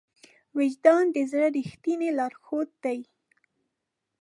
وجدان د زړه ریښتینی لارښود دی.